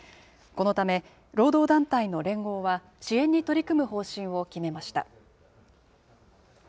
このため、労働団体の連合は、支援に取り組む方針を決めました。